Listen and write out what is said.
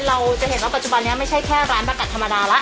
เราจะเห็นว่าปัจจุบันนี้ไม่ใช่แค่ร้านประกัดธรรมดาแล้ว